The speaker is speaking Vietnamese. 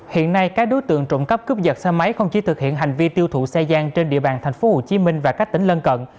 hiện nay các đối tượng trộm cắp cướp dật xe máy không chỉ thực hiện hành vi tiêu thụ xe gian trên địa bàn tp hcm và các tỉnh lân cận